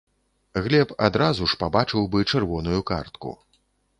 Глеб адразу ж пабачыў бы чырвоную картку.